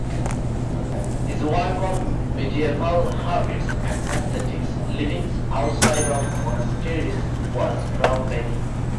His work on medieval hermits and ascetics living outside of monasteries was groundbreaking.